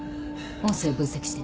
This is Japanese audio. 音声分析して。